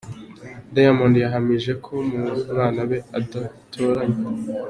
Diamond yahamije ko mu bana be adatoranya.